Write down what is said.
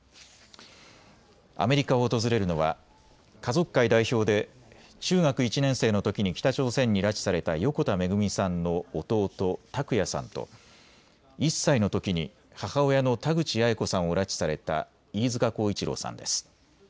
アメリカを訪れるのは家族会代表で中学１年生のときに北朝鮮に拉致された横田めぐみさんの弟、拓也さんと１歳のときに母親の田口八重子さんを拉致された飯塚耕一郎さんです。